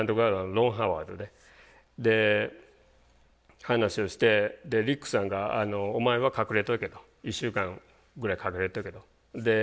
で話をしてリックさんが「お前は隠れとけ」と。「１週間ぐらい隠れとけ」と。